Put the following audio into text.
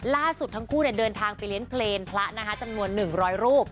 ล่าสุดทั้งคู่เดินทางไปเลี้ยงเพลงพระนะคะจำนวน๑๐๐รูป